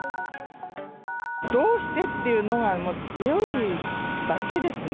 どうしてっていうのが強いだけですね。